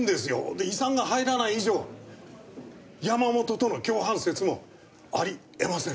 で遺産が入らない以上山本との共犯説もあり得ません。